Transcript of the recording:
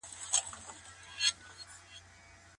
ستور پېژندنه هم دقیق اټکل نه سي کولای.